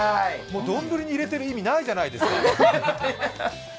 丼に入れてる意味ないじゃないですか。